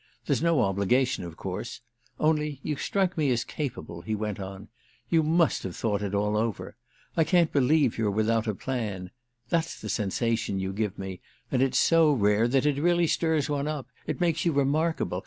There's no obligation of course; only you strike me as capable," he went on. "You must have thought it all over. I can't believe you're without a plan. That's the sensation you give me, and it's so rare that it really stirs one up—it makes you remarkable.